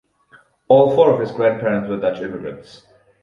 All four of his grandparents were Dutch immigrants.